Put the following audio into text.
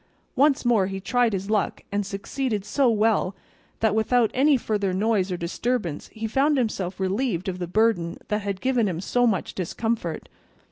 Once more he tried his luck, and succeeded so well, that without any further noise or disturbance he found himself relieved of the burden that had given him so much discomfort.